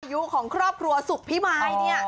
อายุของครอบครัวสุขพิมายเนี่ย